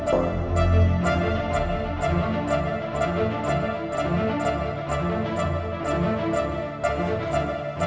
pake hapis lagi baterai